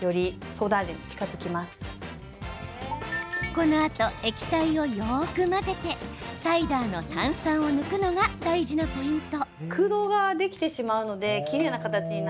このあと液体をよく混ぜてサイダーの炭酸を抜くのが大事なポイント。